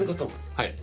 はい。